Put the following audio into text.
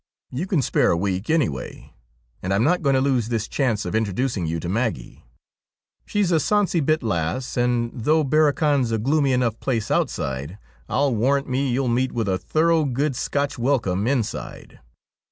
You can spare a week anyway, and I'm not going to lose this chance of introducing you to Maggie. She's a sonsie bit lass, and, though Barrochan's a gloomy enough place outside, I'll warrant me you'll meet with a thorough good Scotch welcome inside.